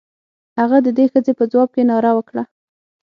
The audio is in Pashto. هغه د دې ښځې په ځواب کې ناره وکړه.